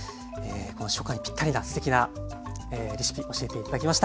初夏にぴったりなすてきなレシピ教えて頂きました。